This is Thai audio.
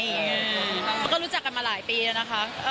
มันก็รู้จักกันมาหลายปีแล้วนะคะ